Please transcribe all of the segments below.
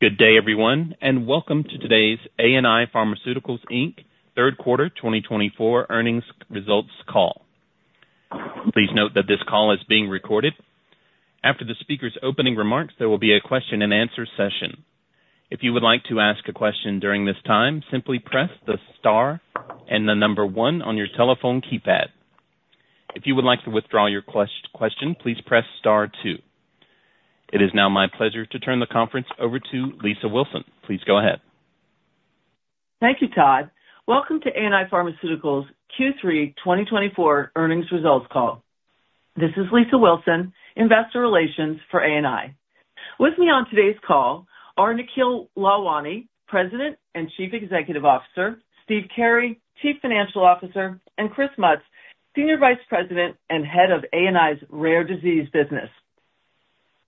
Good day, everyone, and to today's ANI Pharmaceuticals, Inc., third quarter 2024 earnings results call. Please note that this call is being recorded. After the speaker's opening remarks, there will be a question-and-answer session. If you would like to ask a question during this time, simply press the star and the number one on your telephone keypad. If you would like to withdraw your question, please press star two. It is now my pleasure to turn the conference over to Lisa Wilson. Please go ahead. Thank you, Todd. Welcome to ANI Pharmaceuticals Q3 2024 earnings results call. This is Lisa Wilson, investor relations for ANI. With me on today's call are Nikhil Lalwani, President and Chief Executive Officer, Steve Carey, Chief Financial Officer, and Chris Mutz, Senior Vice President and Head of ANI's rare disease business.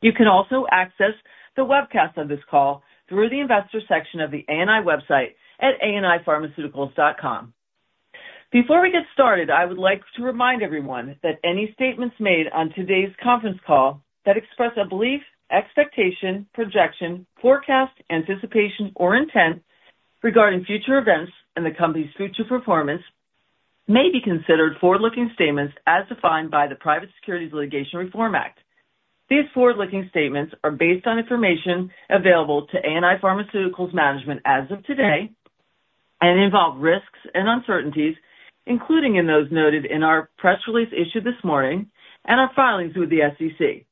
You can also access the webcast of this call through the investor section of the ANI website at anipharmaceuticals.com. Before we get started, I would like to remind everyone that any statements made on today's conference call that express a belief, expectation, projection, forecast, anticipation, or intent regarding future events and the company's future performance may be considered forward-looking statements as defined by the Private Securities Litigation Reform Act. These forward-looking statements are based on information available to ANI Pharmaceuticals' management as of today and involve risks and uncertainties, including in those noted in our press release issued this morning and our filings with the SEC.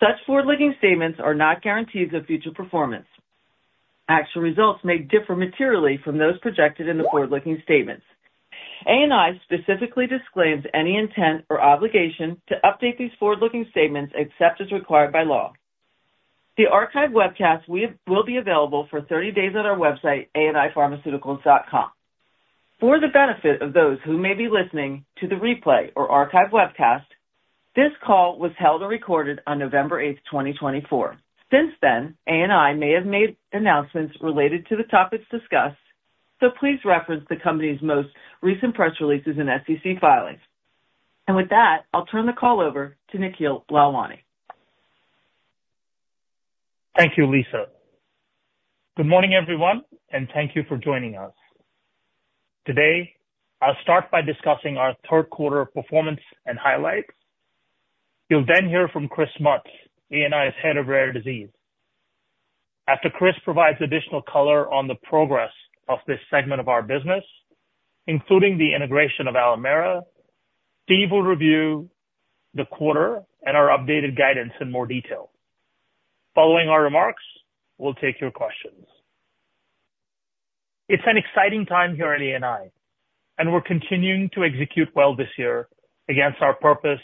Such forward-looking statements are not guarantees of future performance. Actual results may differ materially from those projected in the forward-looking statements. ANI specifically disclaims any intent or obligation to update these forward-looking statements except as required by law. The archived webcast will be available for 30 days on our website, anipharmaceuticals.com. For the benefit of those who may be listening to the replay or archived webcast, this call was held and recorded on November 8th, 2024. Since then, ANI may have made announcements related to the topics discussed, so please reference the company's most recent press releases and SEC filings. And with that, I'll turn the call over to Nikhil Lalwani. Thank you, Lisa. Good morning, everyone, and thank you for joining us. Today, I'll start by discussing our third quarter performance and highlights. You'll then hear from Chris Mutz, ANI's head of rare disease. After Chris provides additional color on the progress of this segment of our business, including the integration of Alimera, Steve will review the quarter and our updated guidance in more detail. Following our remarks, we'll take your questions. It's an exciting time here at ANI, and we're continuing to execute well this year against our purpose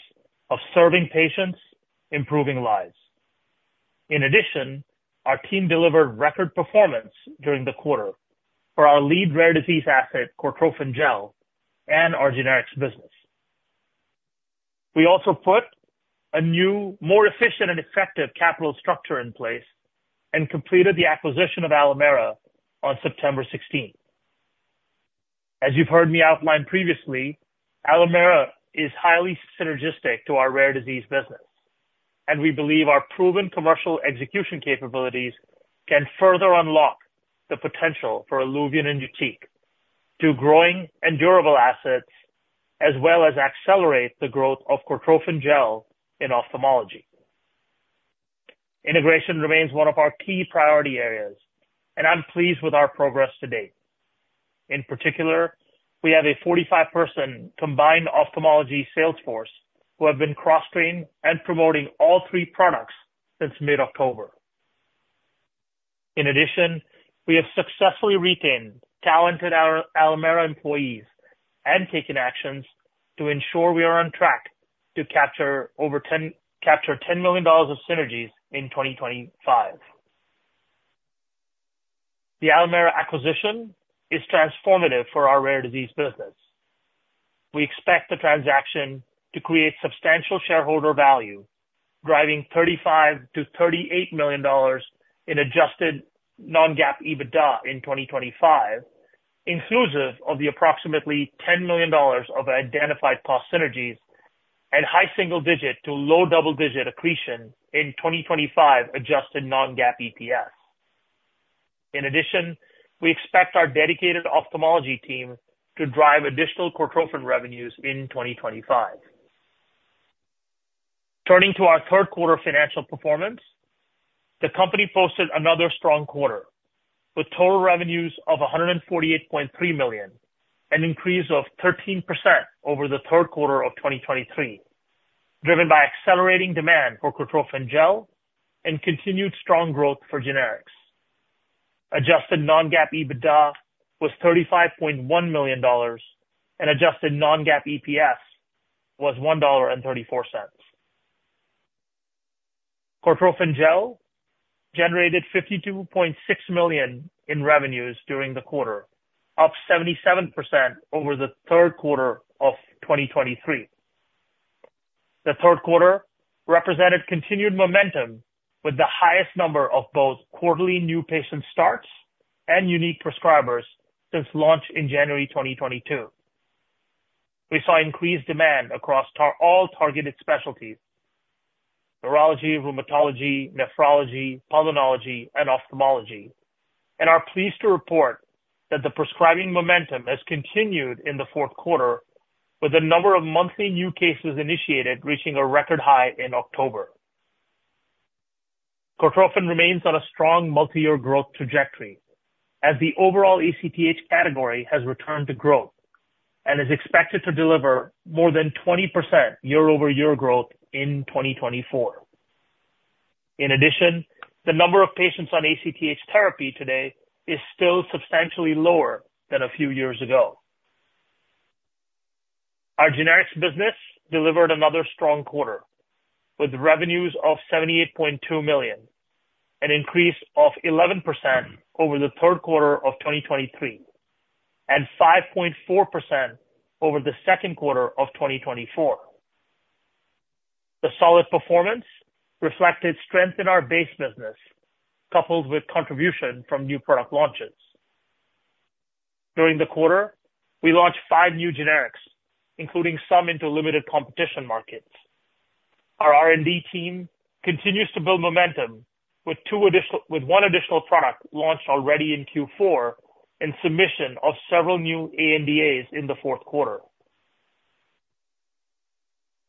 of serving patients, improving lives. In addition, our team delivered record performance during the quarter for our lead rare disease asset, Cortropin Gel, and our generics business. We also put a new, more efficient, and effective capital structure in place and completed the acquisition of Alimera on September 16th. As you've heard me outline previously, Alimera is highly synergistic to our rare disease business, and we believe our proven commercial execution capabilities can further unlock the potential for ILUVIEN and YUTIQ to growing and durable assets, as well as accelerate the growth of Cortropin Gel in ophthalmology. Integration remains one of our key priority areas, and I'm pleased with our progress to date. In particular, we have a 45-person combined ophthalmology sales force who have been cross-trained and promoting all three products since mid-October. In addition, we have successfully retained talented Alimera employees and taken actions to ensure we are on track to capture $10 million of synergies in 2025. The Alimera acquisition is transformative for our rare disease business. We expect the transaction to create substantial shareholder value, driving $35-$38 million in adjusted non-GAAP EBITDA in 2025, inclusive of the approximately $10 million of identified cost synergies and high single-digit to low double-digit accretion in 2025 adjusted non-GAAP EPS. In addition, we expect our dedicated ophthalmology team to drive additional Cortropin revenues in 2025. Turning to our third quarter financial performance, the company posted another strong quarter with total revenues of $148.3 million, an increase of 13% over the third quarter of 2023, driven by accelerating demand for Cortropin Gel and continued strong growth for generics. Adjusted non-GAAP EBITDA was $35.1 million, and adjusted non-GAAP EPS was $1.34. Cortropin Gel generated $52.6 million in revenues during the quarter, up 77% over the third quarter of 2023. The third quarter represented continued momentum with the highest number of both quarterly new patient starts and unique prescribers since launch in January 2022. We saw increased demand across all targeted specialties: urology, rheumatology, nephrology, pulmonology, and ophthalmology, and are pleased to report that the prescribing momentum has continued in the fourth quarter, with the number of monthly new cases initiated reaching a record high in October. Cortropin remains on a strong multi-year growth trajectory as the overall ACTH category has returned to growth and is expected to deliver more than 20% year-over-year growth in 2024. In addition, the number of patients on ACTH therapy today is still substantially lower than a few years ago. Our generics business delivered another strong quarter with revenues of $78.2 million, an increase of 11% over the third quarter of 2023, and 5.4% over the second quarter of 2024. The solid performance reflected strength in our base business, coupled with contribution from new product launches. During the quarter, we launched five new generics, including some into limited competition markets. Our R&D team continues to build momentum with one additional product launched already in Q4 and submission of several new ANDAs in the fourth quarter.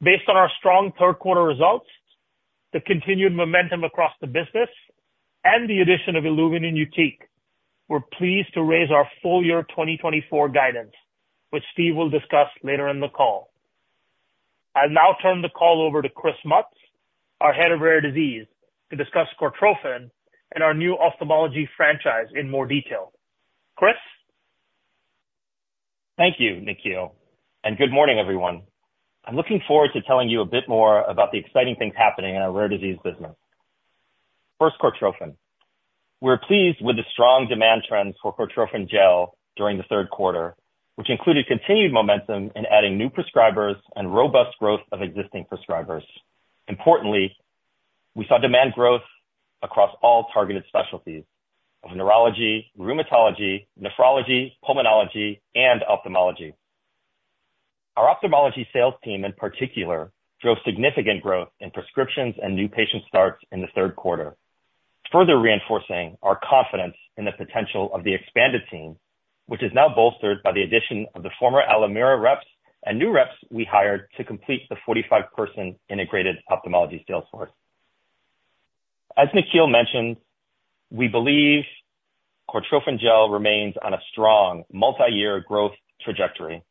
Based on our strong third-quarter results, the continued momentum across the business, and the addition of ILUVIEN and YUTIQ, we're pleased to raise our full-year 2024 guidance, which Steve will discuss later in the call. I'll now turn the call over to Chris Mutz, our head of rare disease, to discuss Cortropin and our new ophthalmology franchise in more detail. Chris? Thank you, Nikhil, and good morning, everyone. I'm looking forward to telling you a bit more about the exciting things happening in our rare disease business. First, Cortropin. We're pleased with the strong demand trends for Cortropin Gel during the third quarter, which included continued momentum in adding new prescribers and robust growth of existing prescribers. Importantly, we saw demand growth across all targeted specialties of neurology, rheumatology, nephrology, pulmonology, and ophthalmology. Our ophthalmology sales team, in particular, drove significant growth in prescriptions and new patient starts in the third quarter, further reinforcing our confidence in the potential of the expanded team, which is now bolstered by the addition of the former Alimera reps and new reps we hired to complete the 45-person integrated ophthalmology sales force. As Nikhil mentioned, we believe Cortropin Gel remains on a strong multi-year growth trajectory,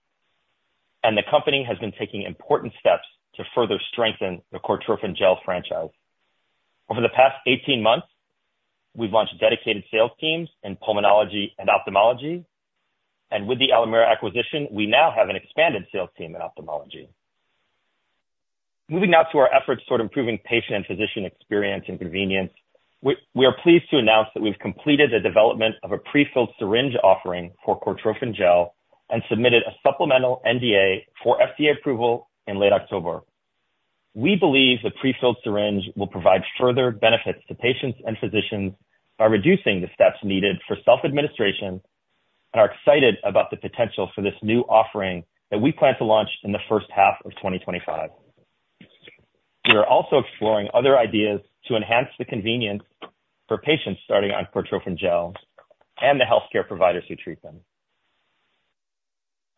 and the company has been taking important steps to further strengthen the Cortropin Gel franchise. Over the past 18 months, we've launched dedicated sales teams in pulmonology and ophthalmology, and with the Alimera acquisition, we now have an expanded sales team in ophthalmology. Moving now to our efforts toward improving patient and physician experience and convenience, we are pleased to announce that we've completed the development of a prefilled syringe offering for Cortropin Gel and submitted a supplemental NDA for FDA approval in late October. We believe the prefilled syringe will provide further benefits to patients and physicians by reducing the steps needed for self-administration and are excited about the potential for this new offering that we plan to launch in the first half of 2025. We are also exploring other ideas to enhance the convenience for patients starting on Cortropin Gel and the healthcare providers who treat them.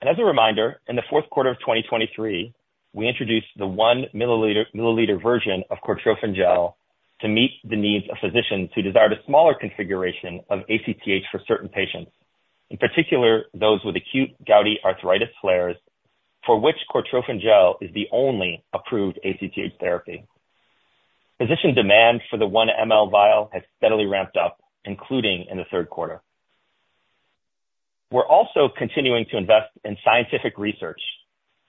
And as a reminder, in the fourth quarter of 2023, we introduced the one milliliter version of Cortropin Gel to meet the needs of physicians who desired a smaller configuration of ACTH for certain patients, in particular those with acute gouty arthritis flares, for which Cortropin Gel is the only approved ACTH therapy. Physician demand for the one ml vial has steadily ramped up, including in the third quarter. We're also continuing to invest in scientific research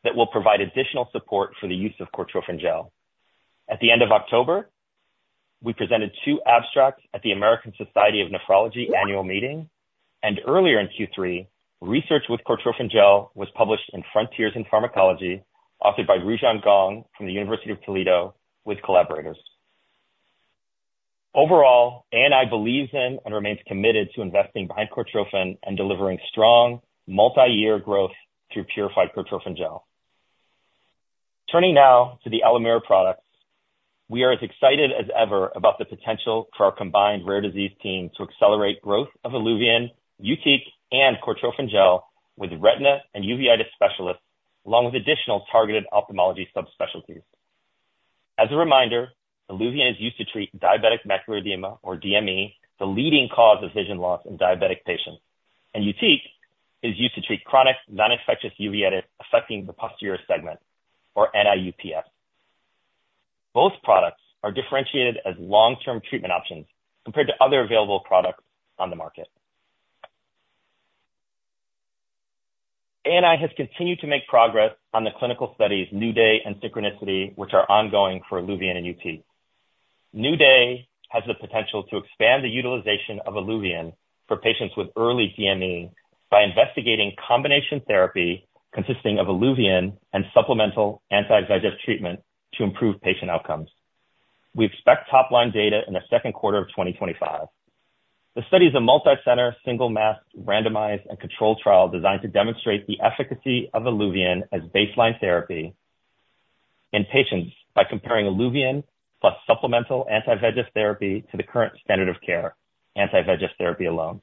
that will provide additional support for the use of Cortropin Gel. At the end of October, we presented two abstracts at the American Society of Nephrology annual meeting, and earlier in Q3, research with Cortropin Gel was published in Frontiers in Pharmacology, authored by Rujun Gong from the University of Toledo with collaborators. Overall, ANI believes in and remains committed to investing behind Cortropin and delivering strong multi-year growth through purified Cortropin Gel. Turning now to the Alimera products, we are as excited as ever about the potential for our combined rare disease team to accelerate growth of ILUVIEN, YUTIQ, and Cortropin Gel with retina and uveitis specialists, along with additional targeted ophthalmology subspecialties. As a reminder, ILUVIEN is used to treat diabetic macular edema, or DME, the leading cause of vision loss in diabetic patients, and YUTIQ is used to treat chronic non-infectious uveitis affecting the posterior segment, or NIU-PS. Both products are differentiated as long-term treatment options compared to other available products on the market. ANI has continued to make progress on the clinical studies New Day and Synchronicity, which are ongoing for ILUVIEN and YUTIQ. New Day has the potential to expand the utilization of ILUVIEN for patients with early DME by investigating combination therapy consisting of ILUVIEN and supplemental anti-VEGF treatment to improve patient outcomes. We expect top-line data in the second quarter of 2025. The study is a multi-center, single-masked, randomized, and controlled trial designed to demonstrate the efficacy of ILUVIEN as baseline therapy in patients by comparing ILUVIEN plus supplemental anti-VEGF therapy to the current standard of care, anti-VEGF therapy alone.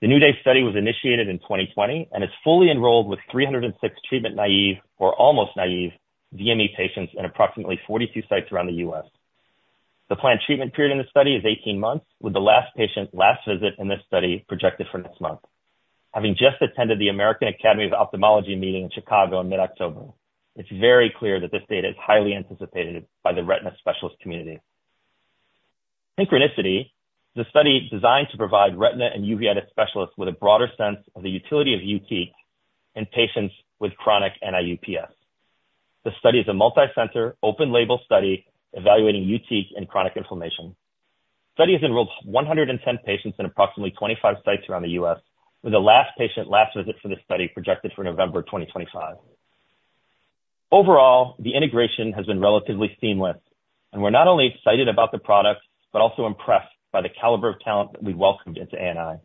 The New Day study was initiated in 2020 and is fully enrolled with 306 treatment naive or almost naive DME patients in approximately 42 sites around the U.S. The planned treatment period in this study is 18 months, with the last patient's last visit in this study projected for next month, having just attended the American Academy of Ophthalmology meeting in Chicago in mid-October. It's very clear that this data is highly anticipated by the retina specialist community. Synchronicity, the study designed to provide retina and uveitis specialists with a broader sense of the utility of YUTIQ in patients with chronic NIU-PS. The study is a multi-center, open-label study evaluating YUTIQ in chronic inflammation. The study has enrolled 110 patients in approximately 25 sites around the US, with the last patient last visit for this study projected for November 2025. Overall, the integration has been relatively seamless, and we're not only excited about the product but also impressed by the caliber of talent that we welcomed into ANI.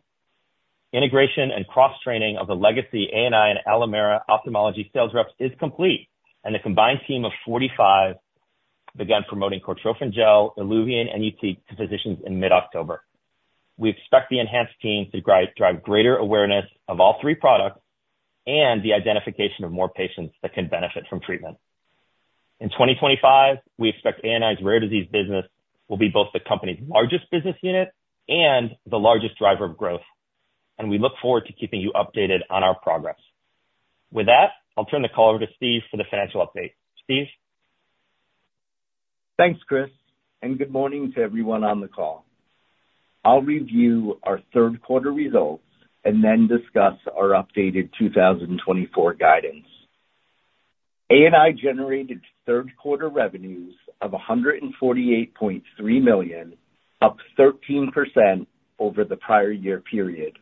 Integration and cross-training of the legacy ANI and Alimera ophthalmology sales reps is complete, and the combined team of 45 began promoting Cortropin Gel, ILUVIEN, and YUTIQ to physicians in mid-October. We expect the enhanced team to drive greater awareness of all three products and the identification of more patients that can benefit from treatment. In 2025, we expect ANI's rare disease business will be both the company's largest business unit and the largest driver of growth, and we look forward to keeping you updated on our progress. With that, I'll turn the call over to Steve for the financial update. Steve? Thanks, Chris, and good morning to everyone on the call. I'll review our third-quarter results and then discuss our updated 2024 guidance. ANI generated third-quarter revenues of $148.3 million, up 13% over the prior year period.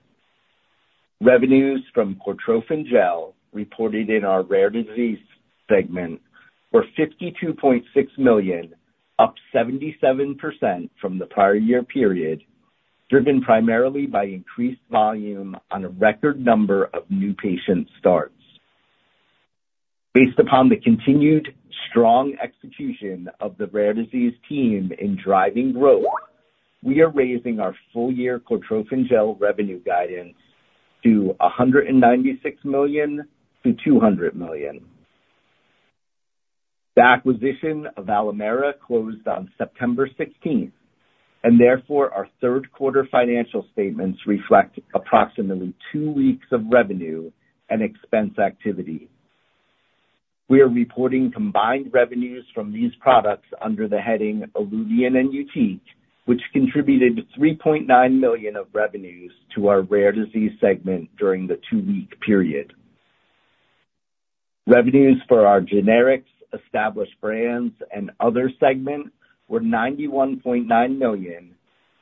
Revenues from Cortropin Gel reported in our rare disease segment were $52.6 million, up 77% from the prior year period, driven primarily by increased volume on a record number of new patient starts. Based upon the continued strong execution of the rare disease team in driving growth, we are raising our full-year Cortropin Gel revenue guidance to $196 million-$200 million. The acquisition of Alimera closed on September 16th, and therefore our third-quarter financial statements reflect approximately two weeks of revenue and expense activity. We are reporting combined revenues from these products under the heading ILUVIEN and YUTIQ, which contributed $3.9 million of revenues to our rare disease segment during the two-week period. Revenues for our generics, established brands, and other segments were $91.9 million,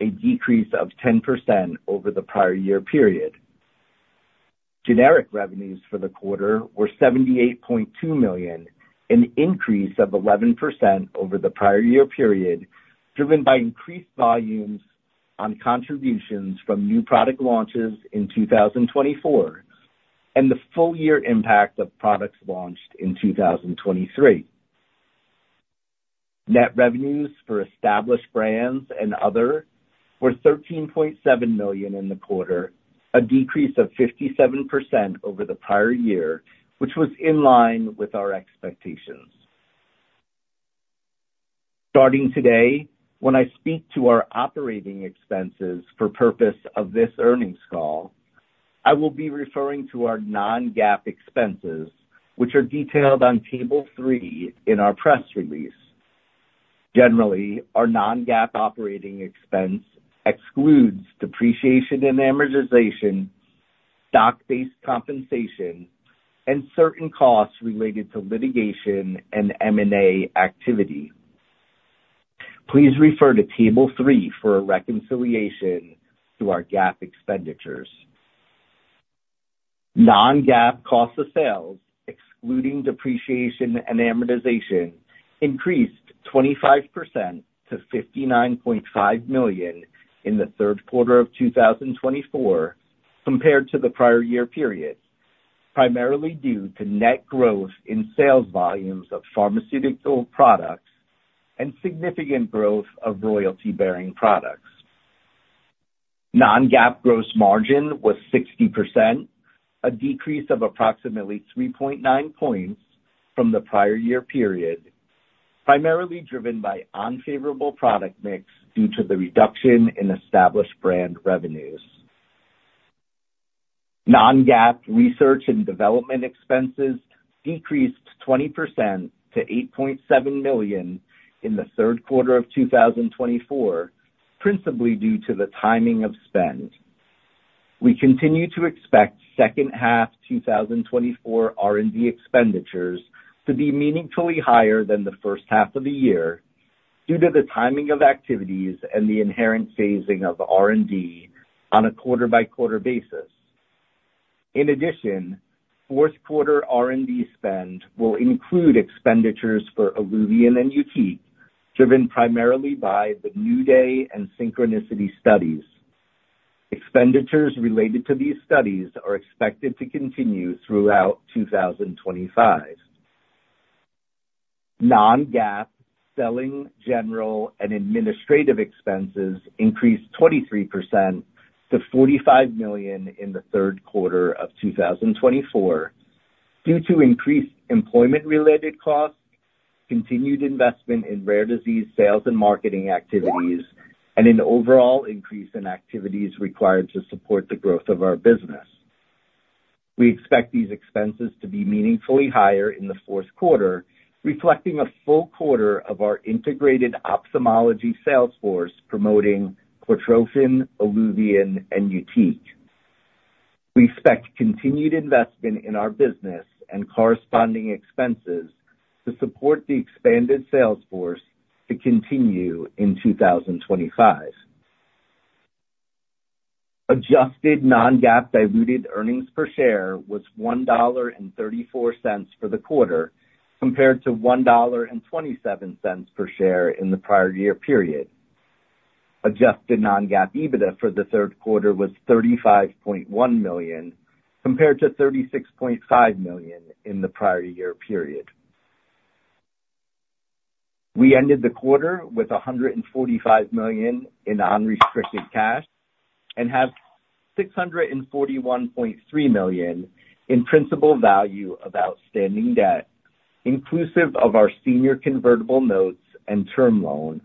a decrease of 10% over the prior year period. Generic revenues for the quarter were $78.2 million, an increase of 11% over the prior year period, driven by increased volumes on contributions from new product launches in 2024 and the full-year impact of products launched in 2023. Net revenues for established brands and other were $13.7 million in the quarter, a decrease of 57% over the prior year, which was in line with our expectations. Starting today, when I speak to our operating expenses for the purpose of this earnings call, I will be referring to our Non-GAAP expenses, which are detailed on Table 3 in our press release. Generally, our Non-GAAP operating expense excludes depreciation and amortization, stock-based compensation, and certain costs related to litigation and M&A activity. Please refer to Table 3 for a reconciliation to our GAAP expenditures. Non-GAAP cost of sales, excluding depreciation and amortization, increased 25% to $59.5 million in the third quarter of 2024 compared to the prior year period, primarily due to net growth in sales volumes of pharmaceutical products and significant growth of royalty-bearing products. Non-GAAP gross margin was 60%, a decrease of approximately 3.9 points from the prior year period, primarily driven by unfavorable product mix due to the reduction in established brand revenues. Non-GAAP research and development expenses decreased 20% to $8.7 million in the third quarter of 2024, principally due to the timing of spend. We continue to expect second half 2024 R&D expenditures to be meaningfully higher than the first half of the year due to the timing of activities and the inherent phasing of R&D on a quarter-by-quarter basis. In addition, fourth-quarter R&D spend will include expenditures for ILUVIEN and YUTIQ, driven primarily by the New Day and Synchronicity studies. Expenditures related to these studies are expected to continue throughout 2025. Non-GAAP selling, general, and administrative expenses increased 23% to $45 million in the third quarter of 2024 due to increased employment-related costs, continued investment in rare disease sales and marketing activities, and an overall increase in activities required to support the growth of our business. We expect these expenses to be meaningfully higher in the fourth quarter, reflecting a full quarter of our integrated ophthalmology sales force promoting Cortropin, ILUVIEN, and YUTIQ. We expect continued investment in our business and corresponding expenses to support the expanded sales force to continue in 2025. Adjusted Non-GAAP diluted earnings per share was $1.34 for the quarter compared to $1.27 per share in the prior year period. Adjusted Non-GAAP EBITDA for the third quarter was $35.1 million compared to $36.5 million in the prior year period. We ended the quarter with $145 million in unrestricted cash and have $641.3 million in principal value of outstanding debt, inclusive of our senior convertible notes and term loan.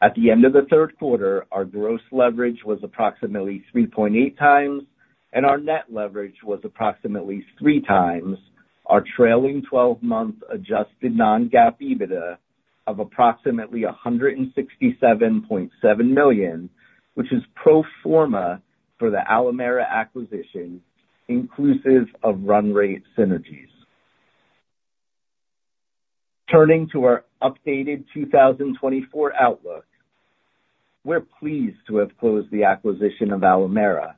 At the end of the third quarter, our gross leverage was approximately 3.8 times, and our net leverage was approximately 3 times our trailing 12-month adjusted non-GAAP EBITDA of approximately $167.7 million, which is pro forma for the Alimera acquisition, inclusive of run rate synergies. Turning to our updated 2024 outlook, we're pleased to have closed the acquisition of Alimera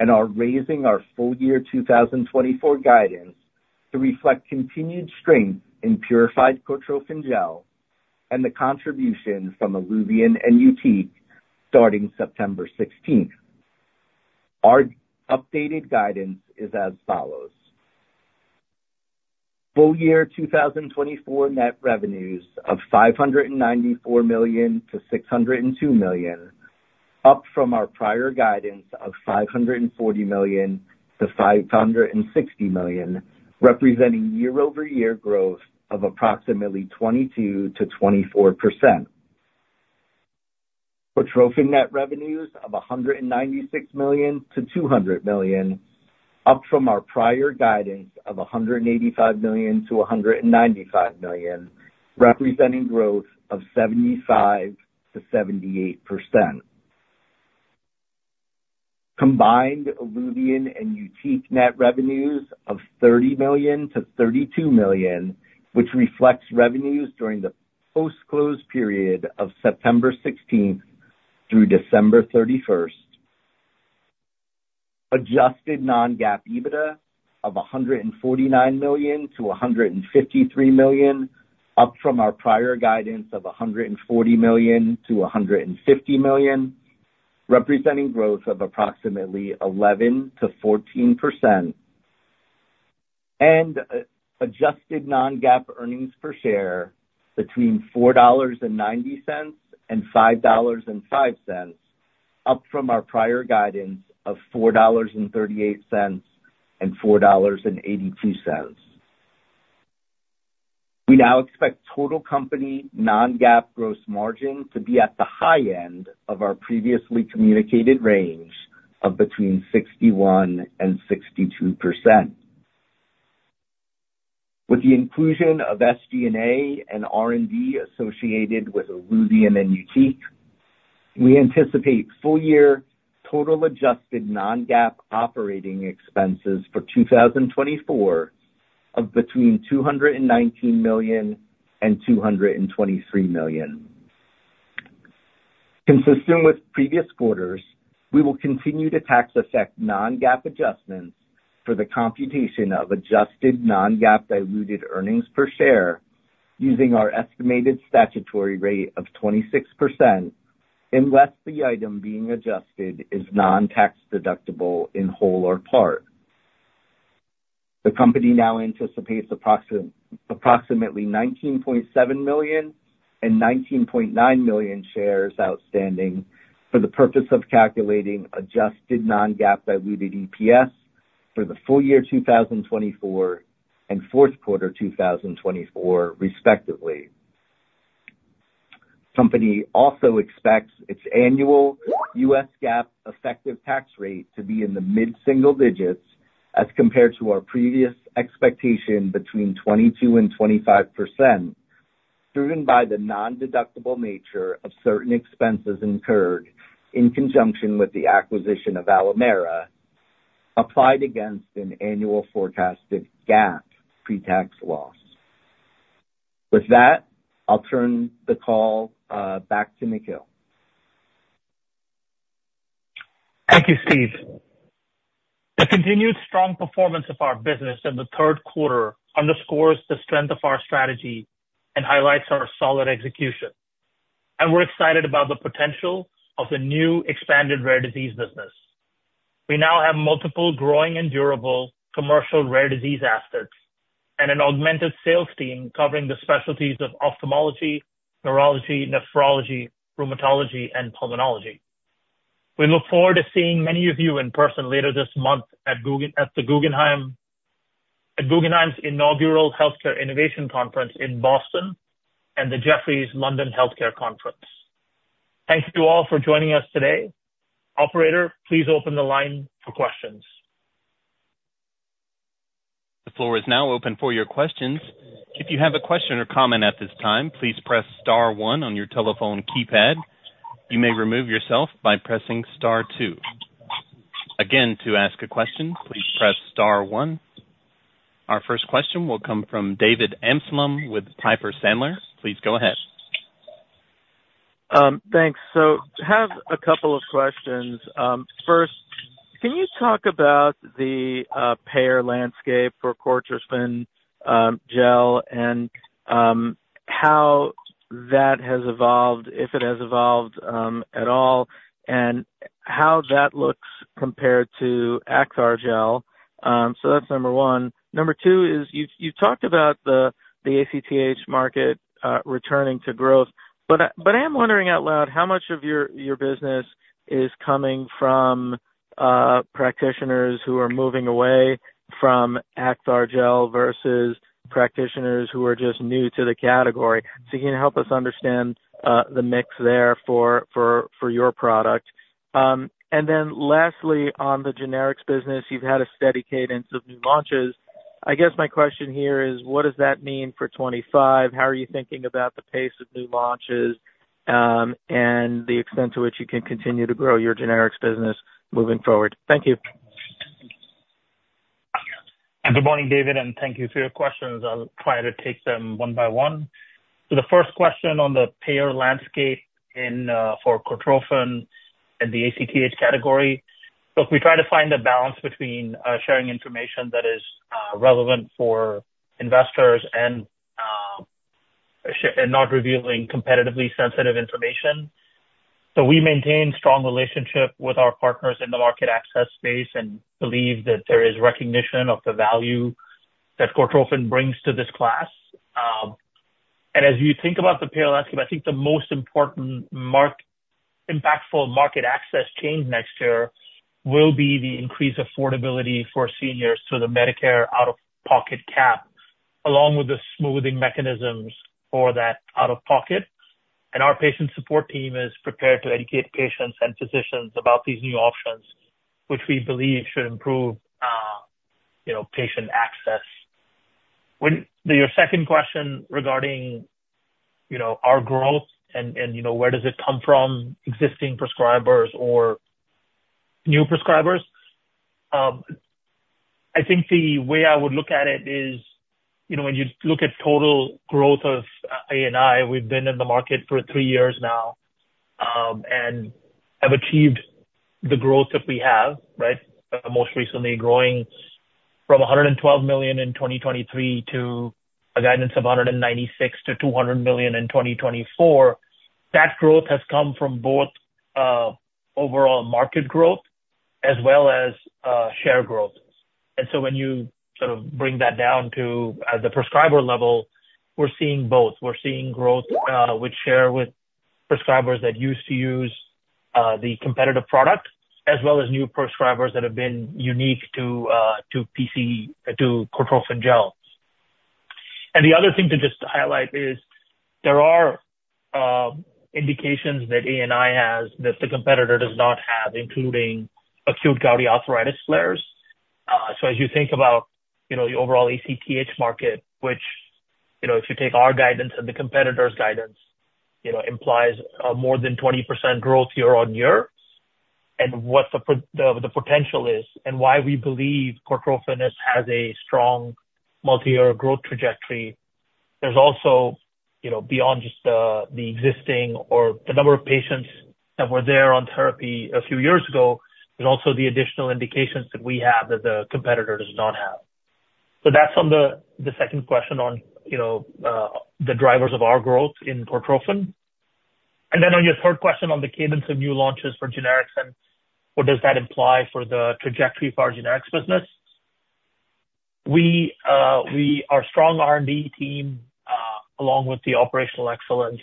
and are raising our full-year 2024 guidance to reflect continued strength in purified Cortropin Gel and the contributions from ILUVIEN and YUTIQ starting September 16th. Our updated guidance is as follows: Full-year 2024 net revenues of $594-$602 million, up from our prior guidance of $540-$560 million, representing year-over-year growth of approximately 22%-24%. Cortropin net revenues of $196-$200 million, up from our prior guidance of $185-$195 million, representing growth of 75%-78%. Combined ILUVIEN and YUTIQ net revenues of $30 million–$32 million, which reflects revenues during the post-close period of September 16th through December 31st. Adjusted non-GAAP EBITDA of $149 million-$153 million, up from our prior guidance of $140 million-$150 million, representing growth of approximately 11%–14%. Adjusted non-GAAP earnings per share between $4.90 and $5.05, up from our prior guidance of $4.38 and $4.82. We now expect total company non-GAAP gross margin to be at the high end of our previously communicated range of between 61% and 62%. With the inclusion of SG&A and R&D associated with ILUVIEN and YUTIQ, we anticipate full-year total adjusted non-GAAP operating expenses for 2024 of between $219 million and $223 million. Consistent with previous quarters, we will continue to tax-affect non-GAAP adjustments for the computation of adjusted non-GAAP diluted earnings per share using our estimated statutory rate of 26% unless the item being adjusted is non-tax deductible in whole or part. The company now anticipates approximately 19.7 million and 19.9 million shares outstanding for the purpose of calculating adjusted non-GAAP diluted EPS for the full year 2024 and fourth quarter 2024, respectively. The company also expects its annual U.S. GAAP effective tax rate to be in the mid-single digits as compared to our previous expectation between 22% and 25%, driven by the non-deductible nature of certain expenses incurred in conjunction with the acquisition of Alimera, applied against an annual forecasted GAAP pre-tax loss. With that, I'll turn the call back to Nikhil. Thank you, Steve. The continued strong performance of our business in the third quarter underscores the strength of our strategy and highlights our solid execution, and we're excited about the potential of the new expanded rare disease business. We now have multiple growing and durable commercial rare disease assets and an augmented sales team covering the specialties of ophthalmology, neurology, nephrology, rheumatology, and pulmonology. We look forward to seeing many of you in person later this month at the Guggenheim's Inaugural Healthcare Innovation Conference in Boston and the Jefferies London Healthcare Conference. Thank you all for joining us today. Operator, please open the line for questions. The floor is now open for your questions. If you have a question or comment at this time, please press Star 1 on your telephone keypad. You may remove yourself by pressing Star 2. Again, to ask a question, please press Star 1. Our first question will come from David Amselam with Piper Sandler. Please go ahead. Thanks. So I have a couple of questions. First, can you talk about the payer landscape for Cortropin Gel and how that has evolved, if it has evolved at all, and how that looks compared to Acthar Gel? So that's number one. Number two is you've talked about the ACTH market returning to growth, but I am wondering out loud how much of your business is coming from practitioners who are moving away from Acthar Gel versus practitioners who are just new to the category. So can you help us understand the mix there for your product? And then lastly, on the generics business, you've had a steady cadence of new launches. I guess my question here is, what does that mean for 2025? How are you thinking about the pace of new launches and the extent to which you can continue to grow your generics business moving forward? Thank you. Good morning, David, and thank you for your questions. I'll try to take them one by one, so the first question on the payer landscape for Cortropin and the ACTH category, so we try to find a balance between sharing information that is relevant for investors and not revealing competitively sensitive information, so we maintain a strong relationship with our partners in the market access space and believe that there is recognition of the value that Cortropin brings to this class, and as you think about the payer landscape, I think the most important impactful market access change next year will be the increased affordability for seniors to the Medicare out-of-pocket cap, along with the smoothing mechanisms for that out-of-pocket, and our patient support team is prepared to educate patients and physicians about these new options, which we believe should improve patient access. Your second question regarding our growth and where does it come from, existing prescribers or new prescribers, I think the way I would look at it is when you look at total growth of ANI, we've been in the market for three years now and have achieved the growth that we have, right? Most recently, growing from $112 million in 2023 to a guidance of $196–$200 million in 2024. That growth has come from both overall market growth as well as share growth. And so when you sort of bring that down to the prescriber level, we're seeing both. We're seeing growth with share with prescribers that used to use the competitive product as well as new prescribers that have been unique to Cortropin Gel. And the other thing to just highlight is there are indications that ANI has that the competitor does not have, including acute gouty arthritis flares. So as you think about the overall ACTH market, which if you take our guidance and the competitor's guidance, implies more than 20% growth year on year, and what the potential is and why we believe Cortropin has a strong multi-year growth trajectory. There's also, beyond just the existing or the number of patients that were there on therapy a few years ago, there's also the additional indications that we have that the competitor does not have. So that's on the second question on the drivers of our growth in Cortropin. And then on your third question on the cadence of new launches for generics and what does that imply for the trajectory of our generics business, our strong R&D team, along with the operational excellence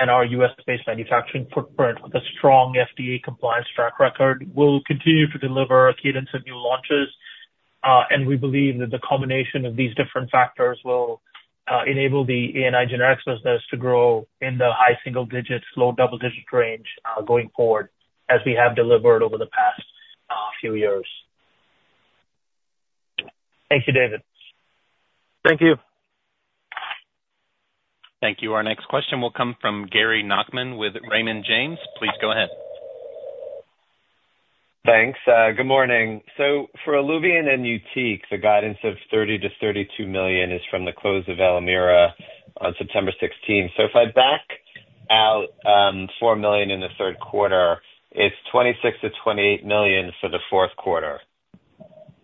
and our U.S.-based manufacturing footprint with a strong FDA compliance track record, will continue to deliver a cadence of new launches. And we believe that the combination of these different factors will enable the ANI generics business to grow in the high single-digit, slow double-digit range going forward as we have delivered over the past few years. Thank you, David. Thank you. Thank you. Our next question will come from Gary Nachman with Raymond James. Please go ahead. Thanks. Good morning. So for ILUVIEN and YUTIQ, the guidance of $30–$32 million is from the close of Alimera on September 16th. So if I back out $4 million in the third quarter, it's $26–$28 million for the fourth quarter.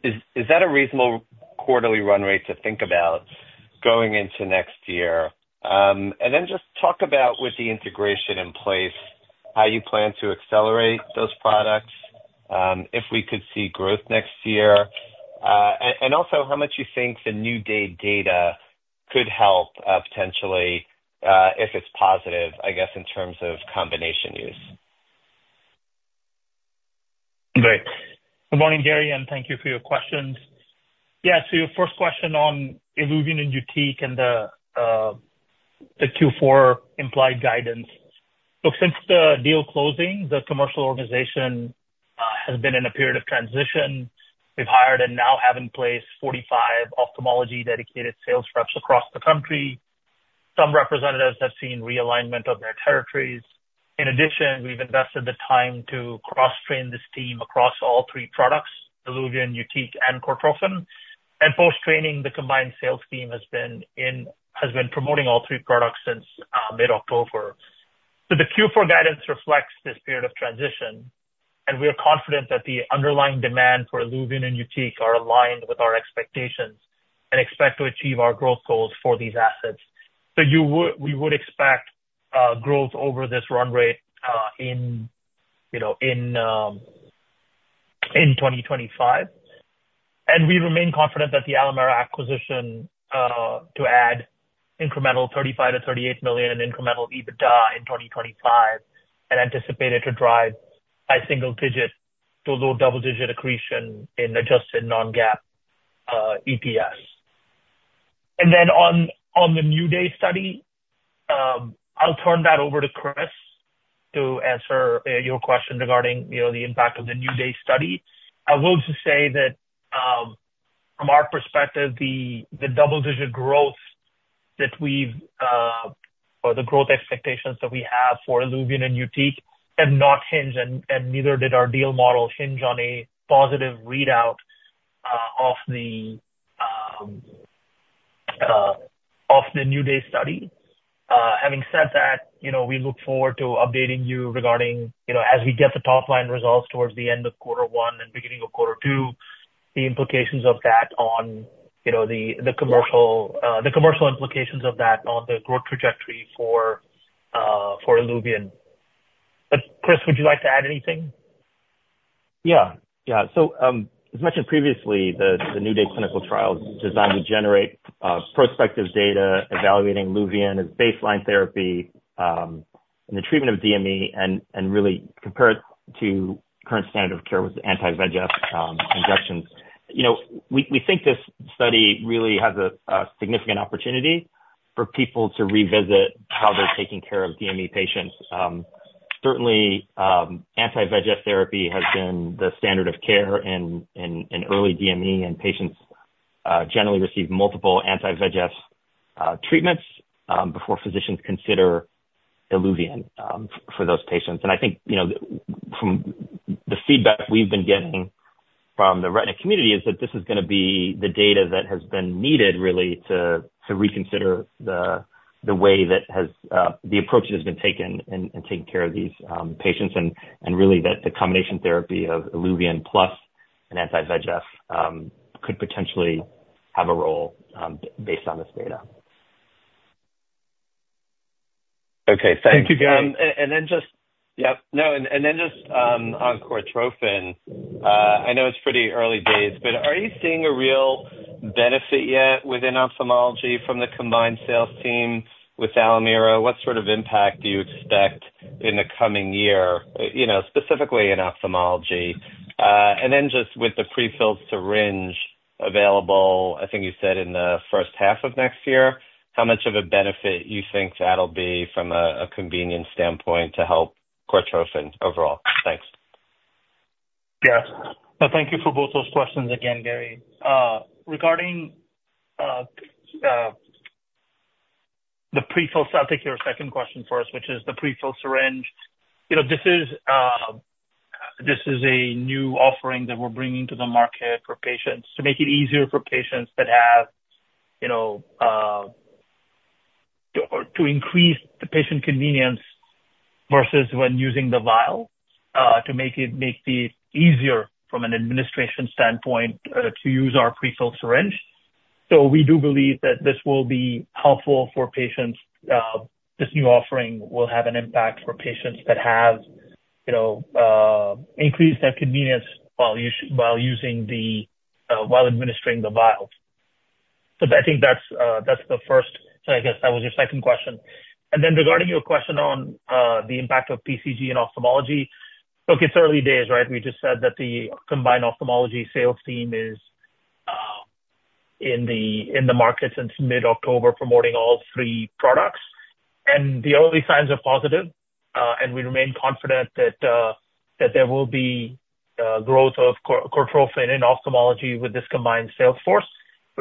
Is that a reasonable quarterly run rate to think about going into next year? And then just talk about, with the integration in place, how you plan to accelerate those products, if we could see growth next year, and also how much you think the New Day data could help potentially if it's positive, I guess, in terms of combination use. Good morning, Gary, and thank you for your questions. Yeah, so your first question on ILUVIEN and YUTIQ and the Q4 implied guidance. Look, since the deal closing, the commercial organization has been in a period of transition. We've hired and now have in place 45 ophthalmology dedicated sales reps across the country. Some representatives have seen realignment of their territories. In addition, we've invested the time to cross-train this team across all three products, ILUVIEN, YUTIQ, and Cortropin, and post-training, the combined sales team has been promoting all three products since mid-October. So the Q4 guidance reflects this period of transition, and we are confident that the underlying demand for ILUVIEN and YUTIQ are aligned with our expectations and expect to achieve our growth goals for these assets, so we would expect growth over this run rate in 2025. And we remain confident that the Alimera acquisition to add incremental $35-$38 million in incremental EBITDA in 2025 and anticipate it to drive high single-digit to low double-digit accretion in adjusted non-GAAP EPS. And then on the New Day study, I'll turn that over to Chris to answer your question regarding the impact of the New Day study. I will just say that from our perspective, the double-digit growth that we've or the growth expectations that we have for ILUVIEN and YUTIQ have not hinged, and neither did our deal model hinge on a positive readout of the New Day study. Having said that, we look forward to updating you regarding as we get the top-line results towards the end of quarter one and beginning of quarter two, the implications of that on the commercial implications of that on the growth trajectory for ILUVIEN. But Chris, would you like to add anything? Yeah. Yeah. So as mentioned previously, the New Day clinical trial is designed to generate prospective data evaluating ILUVIEN as baseline therapy in the treatment of DME and really compare it to current standard of care with anti-VEGF injections. We think this study really has a significant opportunity for people to revisit how they're taking care of DME patients. Certainly, anti-VEGF therapy has been the standard of care in early DME, and patients generally receive multiple anti-VEGF treatments before physicians consider ILUVIEN for those patients. And I think from the feedback we've been getting from the retina community is that this is going to be the data that has been needed really to reconsider the way that the approach has been taken in taking care of these patients. And really, the combination therapy of ILUVIEN plus an anti-VEGF could potentially have a role based on this data. Okay. Thank you, Gary. And then just. Yep. No, and then just on Cortropin, I know it's pretty early days, but are you seeing a real benefit yet within ophthalmology from the combined sales team with Alimera? What sort of impact do you expect in the coming year, specifically in ophthalmology? And then just with the pre-filled syringe available, I think you said in the first half of next year, how much of a benefit you think that'll be from a convenience standpoint to help Cortropin overall? Thanks. Yeah. No, thank you for both those questions again, Gary. Regarding the prefilled, I'll take your second question first, which is the prefilled syringe. This is a new offering that we're bringing to the market for patients to make it easier for patients that have to increase the patient convenience versus when using the vial to make it easier from an administration standpoint to use our prefilled syringe. So we do believe that this will be helpful for patients. This new offering will have an impact for patients that have increased their convenience while administering the vial. So I think that's the first. So I guess that was your second question. And then regarding your question on the impact of PCG in ophthalmology, look, it's early days, right? We just said that the combined ophthalmology sales team is in the market since mid-October promoting all three products. And the early signs are positive, and we remain confident that there will be growth of Cortropin in ophthalmology with this combined sales force.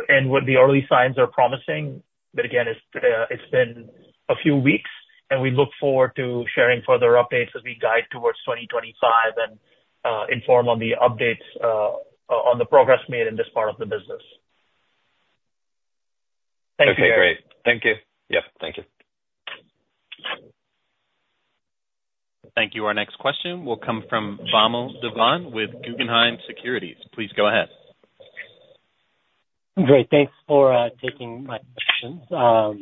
And the early signs are promising. But again, it's been a few weeks, and we look forward to sharing further updates as we guide towards 2025 and inform on the updates on the progress made in this part of the business. Thank you, Gary. Okay. Great. Thank you. Yep. Thank you. Thank you. Our next question will come from Vamil Divan with Guggenheim Securities. Please go ahead. Great. Thanks for taking my questions. So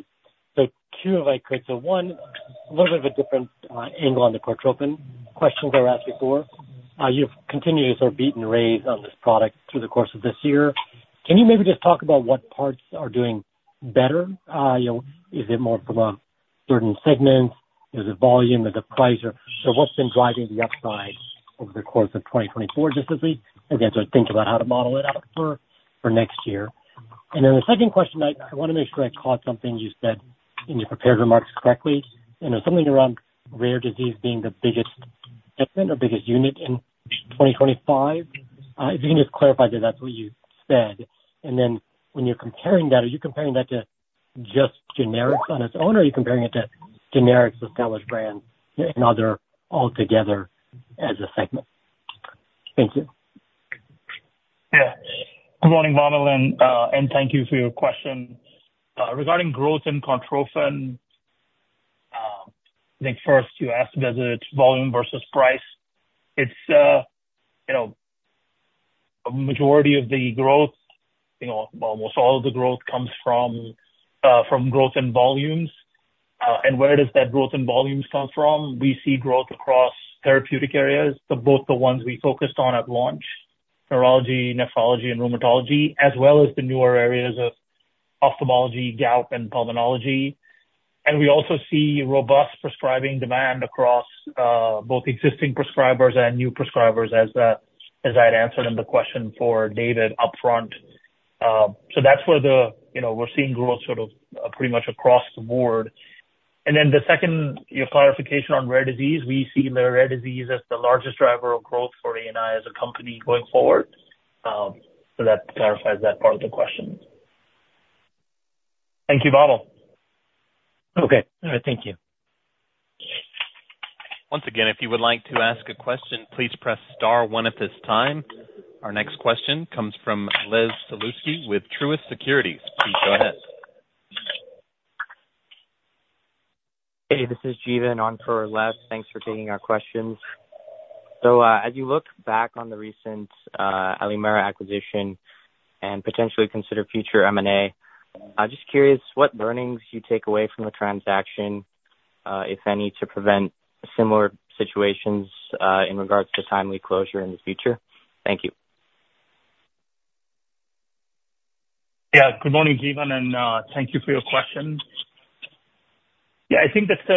two if I could. So one, a little bit of a different angle on the Cortropin questions I've asked before. You've continued to sort of beat and raise on this product through the course of this year. Can you maybe just talk about what parts are doing better? Is it more from a certain segment? Is it volume? Is it price? Or what's been driving the upside over the course of 2024 just as we think about how to model it out for next year? And then the second question, I want to make sure I caught something you said in your prepared remarks correctly. And there's something around rare disease being the biggest segment or biggest unit in 2025. If you can just clarify that that's what you said. When you're comparing that, are you comparing that to just generics on its own, or are you comparing it to generics, established brands, and other altogether as a segment? Thank you. Yeah. Good morning, Vamil, and thank you for your question. Regarding growth in Cortropin, I think first you asked, is it volume versus price? It's a majority of the growth, almost all of the growth comes from growth and volumes. And where does that growth and volumes come from? We see growth across therapeutic areas, both the ones we focused on at launch, neurology, nephrology, and rheumatology, as well as the newer areas of ophthalmology, gout, and pulmonology. And we also see robust prescribing demand across both existing prescribers and new prescribers, as I had answered in the question for David upfront. So that's where we're seeing growth sort of pretty much across the board. And then the second, your clarification on rare disease, we see rare disease as the largest driver of growth for ANI as a company going forward. So that clarifies that part of the question. Thank you, Vamil. Okay. All right. Thank you. Once again, if you would like to ask a question, please press star one at this time. Our next question comes from Les Sulewski with Truist Securities. Please go ahead. Hey, this is Jevan on for Les. Thanks for taking our questions. So as you look back on the recent Alimera acquisition and potentially consider future M&A, just curious what learnings you take away from the transaction, if any, to prevent similar situations in regards to timely closure in the future? Thank you. Yeah. Good morning, Jevan, and thank you for your question. Yeah, I think that's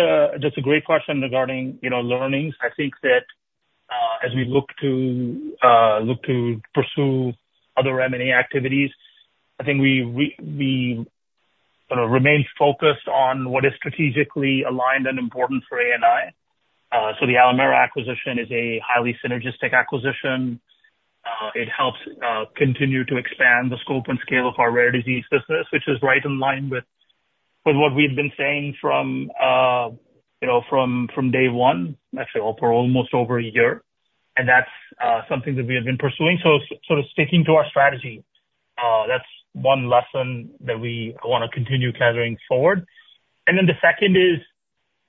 a great question regarding learnings. I think that as we look to pursue other M&A activities, I think we remain focused on what is strategically aligned and important for ANI. So the Alimera acquisition is a highly synergistic acquisition. It helps continue to expand the scope and scale of our rare disease business, which is right in line with what we've been saying from day one, actually for almost over a year. And that's something that we have been pursuing. So sort of sticking to our strategy, that's one lesson that we want to continue carrying forward. And then the second is,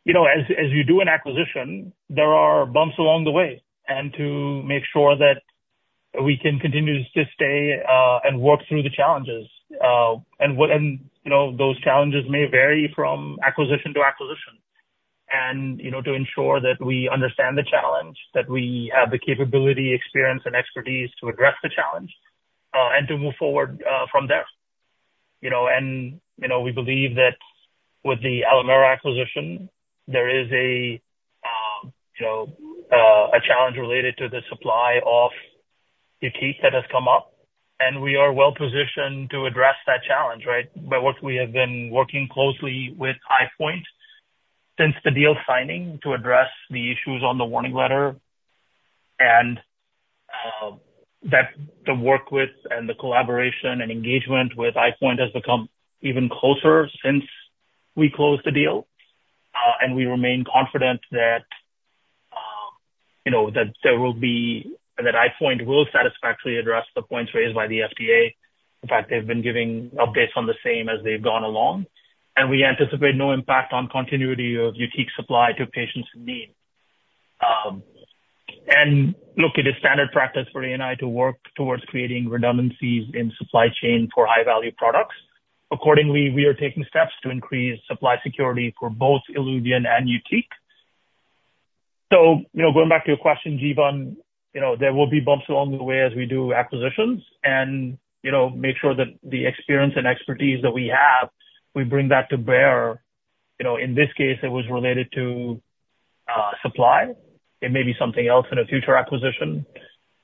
as you do an acquisition, there are bumps along the way. And to make sure that we can continue to stay and work through the challenges. Those challenges may vary from acquisition to acquisition. To ensure that we understand the challenge, that we have the capability, experience, and expertise to address the challenge, and to move forward from there. We believe that with the Alimera acquisition, there is a challenge related to the supply of YUTIQ that has come up. We are well-positioned to address that challenge, right? We have been working closely with EyePoint since the deal signing to address the issues on the warning letter. The work with and the collaboration and engagement with EyePoint has become even closer since we closed the deal. We remain confident that EyePoint will satisfactorily address the points raised by the FDA. In fact, they've been giving updates on the same as they've gone along. And we anticipate no impact on continuity of YUTIQ supply to patients in need. And look, it is standard practice for ANI to work towards creating redundancies in supply chain for high-value products. Accordingly, we are taking steps to increase supply security for both ILUVIEN and YUTIQ. So going back to your question, Jevan, there will be bumps along the way as we do acquisitions and make sure that the experience and expertise that we have, we bring that to bear. In this case, it was related to supply. It may be something else in a future acquisition.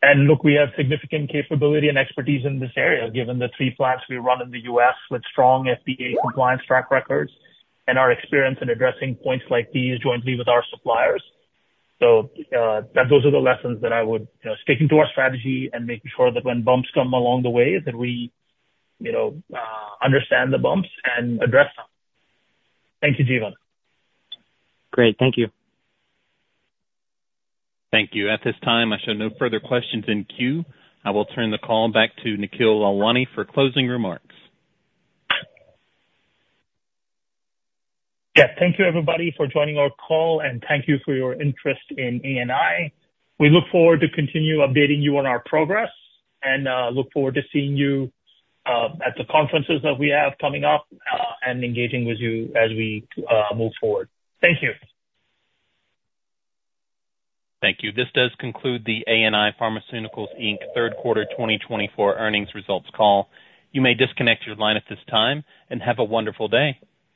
And look, we have significant capability and expertise in this area given the three plants we run in the U.S. with strong FDA compliance track records and our experience in addressing points like these jointly with our suppliers. So those are the lessons that I would say, sticking to our strategy and making sure that when bumps come along the way, that we understand the bumps and address them. Thank you, Jevan. Great. Thank you. Thank you. At this time, I show no further questions in queue. I will turn the call back to Nikhil Lalwani for closing remarks. Yes. Thank you, everybody, for joining our call, and thank you for your interest in ANI. We look forward to continue updating you on our progress and look forward to seeing you at the conferences that we have coming up and engaging with you as we move forward. Thank you. Thank you. This does conclude the ANI Pharmaceuticals Inc. Third Quarter 2024 earnings results call. You may disconnect your line at this time and have a wonderful day.